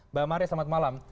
mbak maria selamat malam